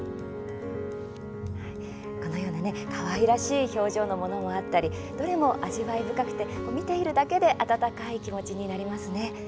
かわいらしい表情のものもあったりまた、どれも味わい深くて見ているだけで温かい気持ちになりますね。